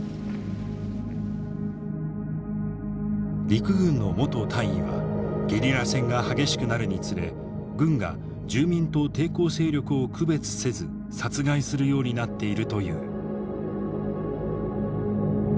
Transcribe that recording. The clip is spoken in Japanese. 陸軍の元大尉はゲリラ戦が激しくなるにつれ軍が住民と抵抗勢力を区別せず殺害するようになっているという。